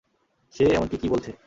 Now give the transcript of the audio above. সে এমনকি কি বলছে?